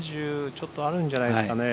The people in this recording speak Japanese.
ちょっとあるんじゃないですかね。